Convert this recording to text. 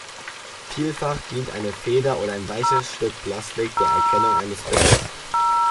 Vielfach dient eine Feder oder ein weiches Stück Plastik der Erkennung eines Bisses.